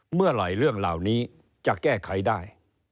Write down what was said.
เมื่อไหร่เรื่องเหล่านี้จะแก้ไขได้